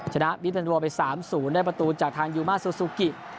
ชนะมิเทนโรไป๓๐ได้ประตูจากทางยูมาซูซูกิ